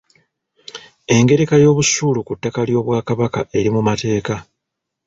Engereka y'obusuulu ku ttaka ly'Obwakabaka eri mu mateeka.